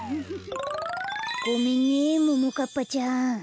ごめんねももかっぱちゃん。